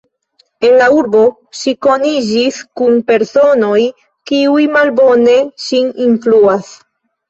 En la urbo ŝi koniĝis kun personoj, kiuj malbone ŝin influas.